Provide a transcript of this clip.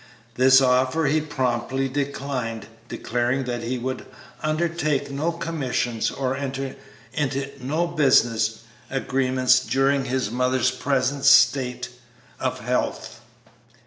This offer he promptly declined, declaring that he would undertake no commissions or enter into no business agreements during his mother's present state of health.